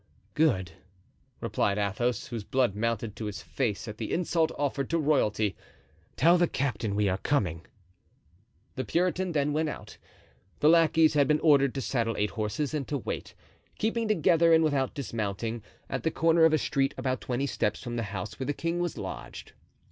"Good," replied Athos, whose blood mounted to his face at the insult offered to royalty; "tell the captain we are coming." The Puritan then went out. The lackeys had been ordered to saddle eight horses and to wait, keeping together and without dismounting, at the corner of a street about twenty steps from the house where the king was lodged.